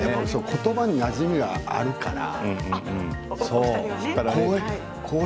言葉になじみがあるから。